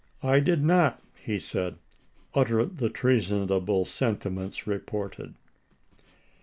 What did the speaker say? " I did not," he said, u utter the treasonable senti 1862. ments reported."